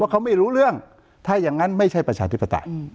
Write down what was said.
เขาไม่รู้เรื่องถ้าอย่างนั้นไม่ใช่ประชาธิปไตย